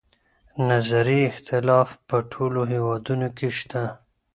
نظري اختلاف په ټولو هیوادونو کې شته.